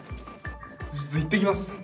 ちょっと行ってきます！